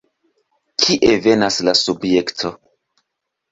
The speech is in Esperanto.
Kie venas la subjekto?